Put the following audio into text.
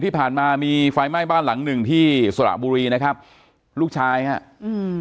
ที่ผ่านมามีไฟไหม้บ้านหลังหนึ่งที่สระบุรีนะครับลูกชายฮะอืม